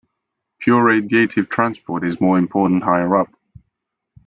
Pure radiative transport is more important higher up.